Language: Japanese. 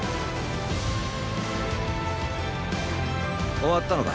終わったのか。